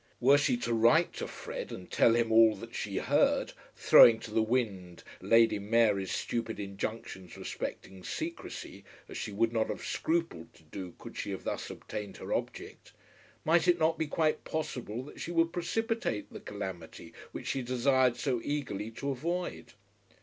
Were she to write to Fred and tell him all that she heard, throwing to the winds Lady Mary's stupid injunctions respecting secrecy, as she would not have scrupled to do could she have thus obtained her object, might it not be quite possible that she would precipitate the calamity which she desired so eagerly to avoid?